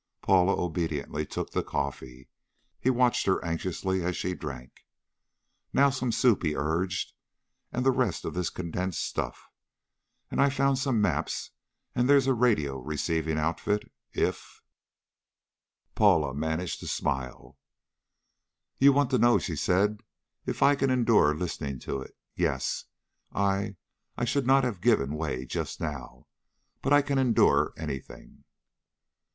Paula obediently took the coffee. He watched her anxiously as she drank. "Now some soup," he urged, "and the rest of this condensed stuff. And I've found some maps and there's a radio receiving outfit if " Paula managed to smile. "You want to know," she said, "if I can endure listening to it. Yes. I I should not have given way just now. But I can endure anything."